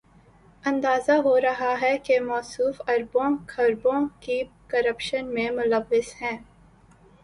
اندازہ ہو رہا ہے کہ موصوف اربوں، کھربوں کی کرپشن میں ملوث ہیں۔